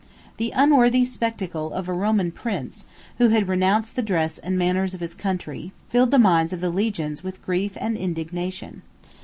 The unworthy spectacle of a Roman prince, who had renounced the dress and manners of his country, filled the minds of the legions with grief and indignation.